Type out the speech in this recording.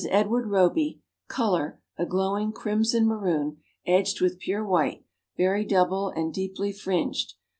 Edward Roby, color, a glowing crimson maroon, edged with pure white, very double and deeply fringed.